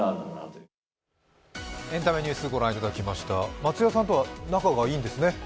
松也さんとは仲いいんですね？